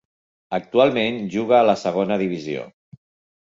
Actualment juga a la Segona Divisió.